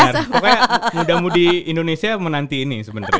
pokoknya muda mudi indonesia menanti ini sebenarnya